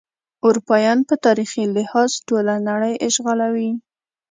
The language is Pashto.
اروپایان په تاریخي لحاظ ټوله نړۍ اشغالوي.